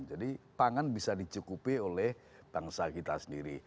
jadi pangan bisa dicukupi oleh bangsa kita sendiri